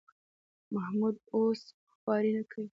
محمود اوس خواري نه کوي.